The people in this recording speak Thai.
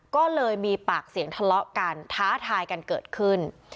ก็เลยมีปากเสียงทะเลาะกันท้าทายกันเกิดขึ้น